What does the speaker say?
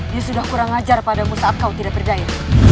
dia sudah kurang ajar padamu saat kau tidak berdaya